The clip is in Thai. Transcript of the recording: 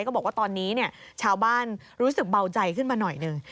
บอกว่าตอนนี้ชาวบ้านรู้สึกเบาใจขึ้นมาหน่อยหนึ่ง